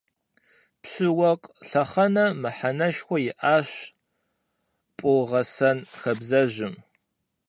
Пщы-уэркъ лъэхъэнэм мыхьэнэшхуэ иӏащ пӏургъэсэн хабзэжьым.